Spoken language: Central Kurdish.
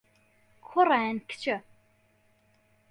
کوڕە یان کچە؟